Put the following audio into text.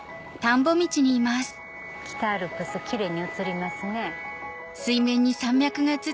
北アルプスキレイに映りますね。